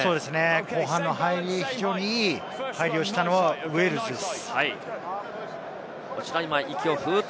後半、非常にいい入りをしたのはウェールズです。